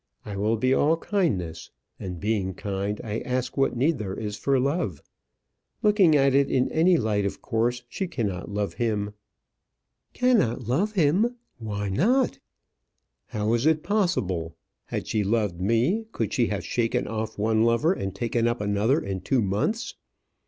I will be all kindness. And being kind, I ask what need is there for love? Looking at it in any light, of course she cannot love him." "Cannot love him! why not?" "How is it possible? Had she loved me, could she have shaken off one lover and taken up another in two months?